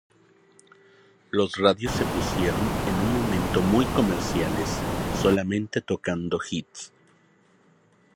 Las radios se pusieron en un momento muy comerciales, solamente tocando hits.